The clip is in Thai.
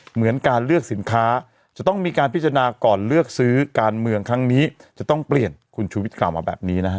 เหมือนการเลือกสินค้าจะต้องมีการพิจารณาก่อนเลือกซื้อการเมืองครั้งนี้จะต้องเปลี่ยนคุณชูวิทยกล่าวมาแบบนี้นะฮะ